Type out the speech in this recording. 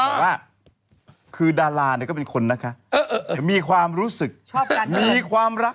บอกว่าคือดาราเนี่ยก็เป็นคนนะคะมีความรู้สึกมีความรัก